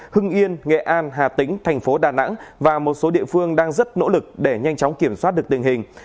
hưng yên nghệ an hà tĩnh thành phố đà nẵng và một số địa phương đang rất nỗ lực để nhanh chóng kiểm soát được tình hình